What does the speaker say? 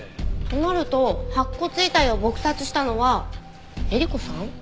となると白骨遺体を撲殺したのはえり子さん？